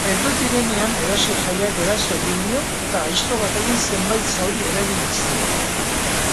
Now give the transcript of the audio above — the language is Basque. Heldu direnean erasotzaileak eraso egin dio eta aizto batekin zenbait zauri eragin dizkio.